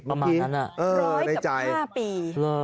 ในใจประมาณนั้นนะเออในใจร้อยกับ๕ปี